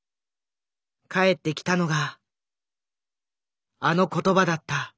返ってきたのがあの言葉だった。